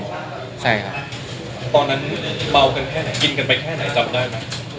ใช่ค่ะตอนนั้นเมากันแค่ไหนกินกันไปแค่ไหนจำได้ไหม